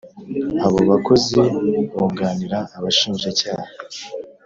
Abo bakozi bunganira Abashinjacyaha